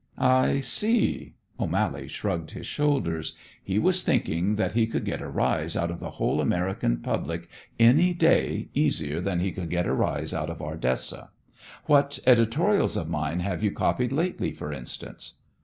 "I see." O'Mally shrugged his shoulders. He was thinking that he could get a rise out of the whole American public any day easier than he could get a rise out of Ardessa. "What editorials of mine have you copied lately, for instance?"